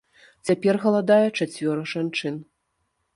Цяпер галадае чацвёра жанчын.